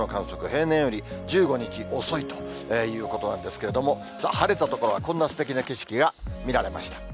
平年より１５日遅いということなんですけれども、晴れた所は、こんなすてきな景色が見られました。